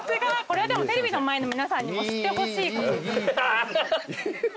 これはでもテレビの前の皆さんにも知ってほしいことです。